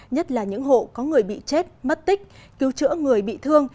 nhất là những hộ có người bị chết mất tích cứu chữa người bị thương